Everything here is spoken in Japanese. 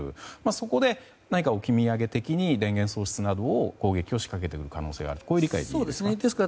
そこで何か置き土産的に電源施設などを攻撃を仕掛けてくる可能性があるという理解でいいですか？